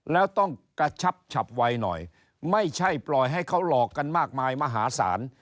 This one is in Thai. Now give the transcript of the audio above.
แล้วต้องกระชับฉับไวหน่อยไม่ใช่ปล่อยให้เขาหลอกกันมากมายมหาศาล